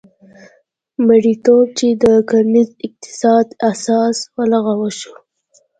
مریتوب چې د کرنیز اقتصاد اساس و لغوه شو.